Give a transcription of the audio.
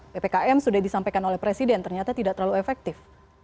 ppkm sudah disampaikan oleh presiden ternyata tidak terlalu efektif